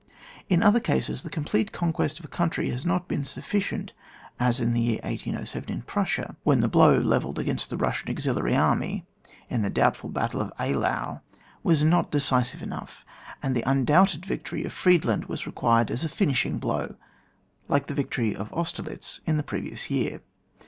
In other cases, the complete conquest of a country has not been sufficient, as in the year 1807, in Prussia, when the blow levelled against the Bussian auxiliary army, in the doubtful battle of Eylau, was not decisive enough, and the un doubted victory of Frie^and was required as a finishing blow, like the victory of Austerlitz in the preceding year.